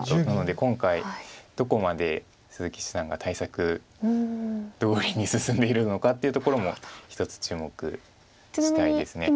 なので今回どこまで鈴木七段が対策どおりに進んでいるのかというところもひとつ注目したいです。